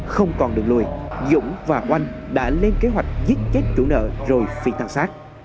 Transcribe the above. không còn được lùi dũng và oanh đã lên kế hoạch giết chết chủ nợ rồi phi tăng sát